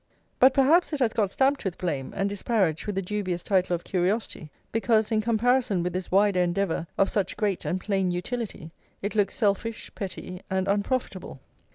But perhaps it has got stamped with blame, and disparaged with the dubious title of curiosity, because in comparison with this wider endeavour of such great and plain utility it looks selfish, petty, and unprofitable.